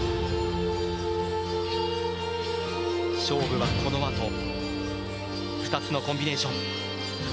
勝負はこのあと２つのコンビネーション。